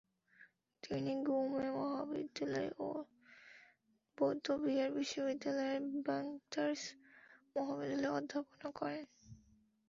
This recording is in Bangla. তিনি গ্যুমে মহাবিদ্যালয় এবং দ্গা'-ল্দান বৌদ্ধবিহার বিশ্ববিদ্যালয়ের ব্যাং-র্ত্সে মহাবিদ্যালয়ে অধ্যাপনা করেন।